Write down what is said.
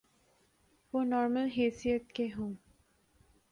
وہ نارمل حیثیت کے ہوں۔